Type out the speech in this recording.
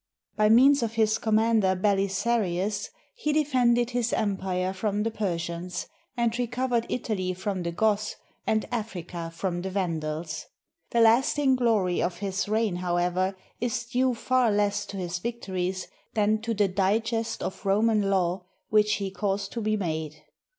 By means of his commander Belisa rius he defended his empire from the Persians, and recovered Italy from the Goths and Africa from the Vandals. The lasting glory of his reign, however, is due far less to his victories than to the digest of Roman law which he caused to be made.